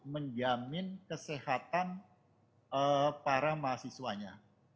menjamin kesehatan para mahasiswanya